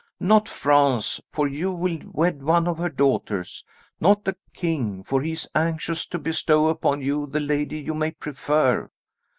Not France, for you will wed one of her daughters; not the king, for he is anxious to bestow upon you the lady you may prefer.